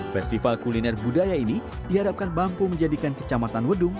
festival kuliner budaya ini diharapkan mampu menjadikan kecamatan wedung